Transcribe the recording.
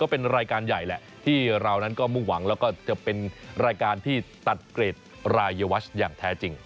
เป็นรายการใหญ่แหละที่เรานั้นก็มุ่งหวังแล้วก็จะเป็นรายการที่ตัดเกรดรายวัชอย่างแท้จริง